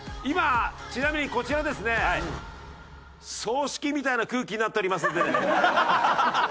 今ちなみにこちらはですね葬式みたいな空気になっておりますのでね。